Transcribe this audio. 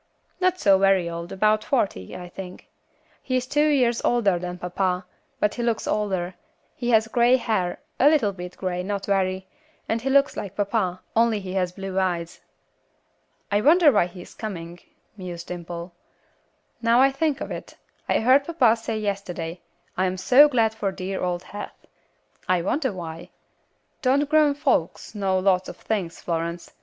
"Not so very old, about forty, I think; he is two years older than papa, but he looks older; he has grey hair, a little bit grey, not very, and he looks like papa, only he has blue eyes. "I wonder why he is coming," mused Dimple. "Now I think of it. I heard papa say yesterday, 'I am so glad for dear old Heath.' I wonder why. Don't grown folks know lots of things, Florence?